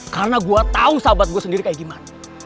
karena gue tau sahabat gue sendiri kayak gimana